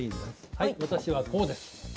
はい私はこうです。